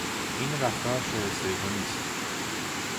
این رفتار شایستهی تو نیست!